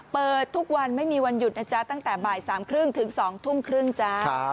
เปิดทุกวันไม่มีวันหยุดนะจ๊ะตั้งแต่บ่ายสามครึ่งถึงสองทุ่มครึ่งจ๊ะ